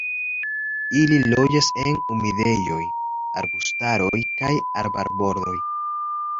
Ili loĝas en humidejoj, arbustaroj kaj arbarbordoj.